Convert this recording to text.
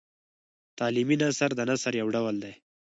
تعلیمي نثر د نثر یو ډول دﺉ.